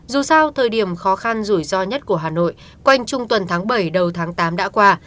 dù sau thời điểm khó khăn rủi ro nhất của hà nội quanh trung tuần tháng bảy đầu tháng tám đã qua